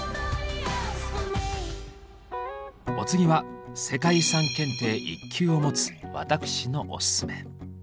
お次は世界遺産検定１級を持つ私のオススメ。